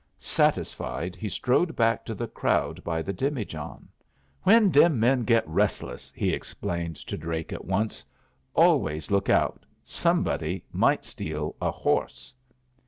Satisfied, he strode back to the crowd by the demijohn. "When dem men get restless," he explained to Drake at once, "always look out. Somebody might steal a horse."